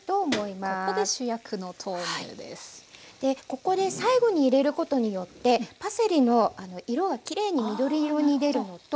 ここで最後に入れることによってパセリの色がきれいに緑色に出るのと。